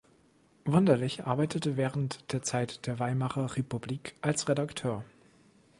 Wunderlich arbeitete während der Zeit der Weimarer Republik als Redakteur.